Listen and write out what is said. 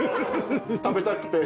食べたくて。